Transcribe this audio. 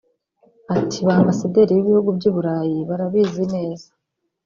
Ati “ Ba Ambasaderi b’ibihugu by’i Burayi barabizi neza